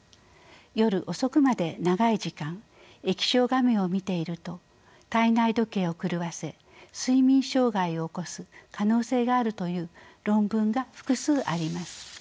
夜遅くまで長い時間液晶画面を見ていると体内時計を狂わせ睡眠障害を起こす可能性があるという論文が複数あります。